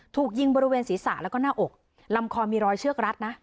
ถูกยิงบริเวณศีรษะแล้วก็หน้าอกลำคอมีรอยเชือกรัดนะ